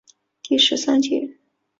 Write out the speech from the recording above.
第十三届